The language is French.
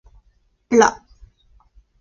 Pla